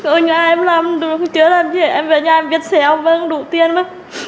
ở nhà em làm đường chưa làm gì em về nhà em viết xe ông vân đủ tiền mà